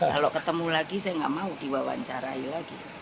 kalau ketemu lagi saya nggak mau diwawancarai lagi